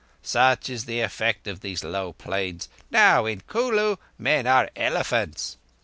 Such is the effect of these low plains. Now in Kulu men are elephants.